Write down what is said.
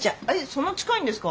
そんな近いんですか？